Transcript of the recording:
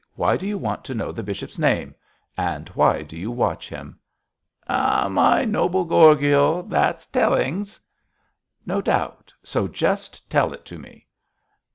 Why do you want to know the bishop's name? and why do you watch him?' 'Ah, my noble Gorgio, that's tellings!' 'No doubt, so just tell it to me.'